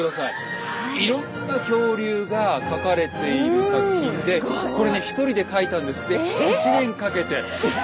いろんな恐竜が描かれている作品でこれね一人で描いたんですって１年かけて。